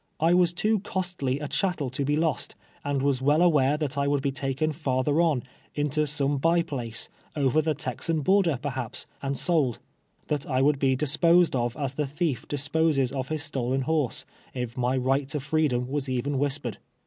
I was too costly a chattel to be lost, and was well aware that I would be taken farther on, into some l)y place, over the Texan border, perhaps, and sold ; that I would be disposed of as the thief disposes of his stolen horse, if my right to freedom was even whispered.